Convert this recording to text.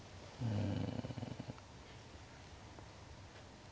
うん。